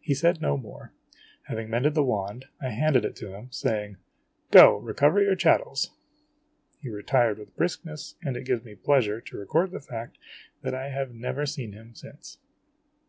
He said no more. Having mended the wand, I handed it to him, saying: " Go, recover your chattels !" He retired with briskness, and it gives me pleasure to record the fact that I have never seen him since.